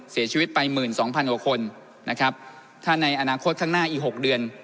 เสียชีวิตไปหมื่นสองพันกว่าคนนะครับถ้าในอนาคตข้างหน้าอีก๖เดือน